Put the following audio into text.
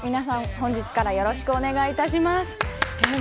本日からよろしくお願いします。